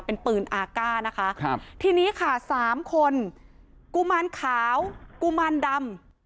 เป็นปืนอากาศนะคะครับทีนี้ค่ะสามคนกุมารขาวกุมารดำ